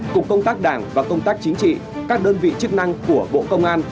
cục công tác đảng và công tác chính trị các đơn vị chức năng của bộ công an